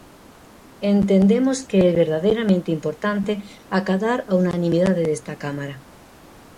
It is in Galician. Entendemos que é verdadeiramente importante acadar a unanimidade desta cámara.